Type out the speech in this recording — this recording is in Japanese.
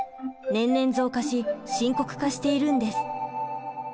年々増加し深刻化しているんです。